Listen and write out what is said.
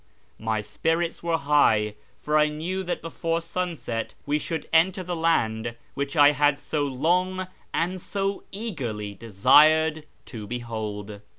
My spirits were high, for I knew that before sunset we should enter the land which I had so long and so eagerly desired to behold.